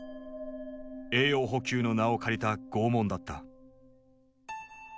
栄養補給の名を借りた拷問だった。